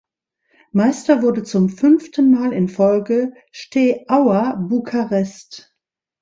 Meister wurde zum fünften Mal in Folge Steaua Bukarest.